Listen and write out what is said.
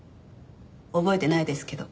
覚えてないですけど。